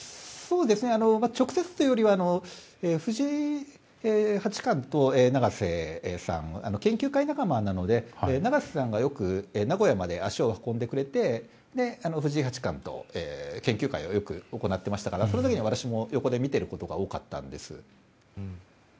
直接というよりは藤井八冠と永瀬さんは研究会仲間なので永瀬さんがよく名古屋まで足を運んでくれて藤井八冠と研究会を行っていましたから、その時は私もよく横で見ていることが多かったんです。